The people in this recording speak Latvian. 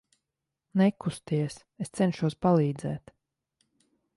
Nekusties, es cenšos palīdzēt.